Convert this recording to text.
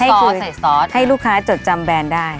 ให้คือให้ลูกค้าจดจำแบรนด์ได้